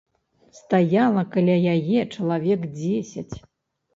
Стаяла каля яе чалавек дзесяць.